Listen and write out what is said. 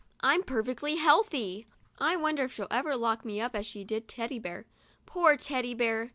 I'm per fectly healthy." I wonder if she'll ever lock me up as she did Teddy Bear. Poor Teddy Bear!